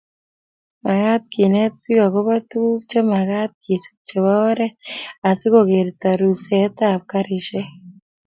magaat keneti biik agoba tuguk chemagat kesuup chebo oret asigogerta rusetab karishek